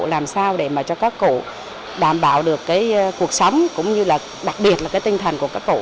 làm sao để cho các cụ đảm bảo được cuộc sống cũng như đặc biệt là tinh thần của các cụ